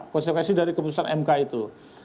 konsekuensi dari keputusan mk itu